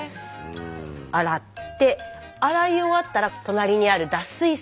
洗って洗い終わったら隣にある脱水槽に移します。